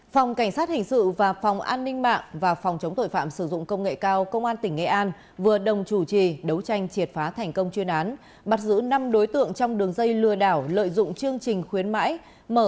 phòng cảnh sát hình sự và phòng an ninh mạng và phòng chống tội phạm sử dụng công nghệ cao công an tỉnh nghệ an vừa đồng chủ trì đấu tranh triệt phá thành phố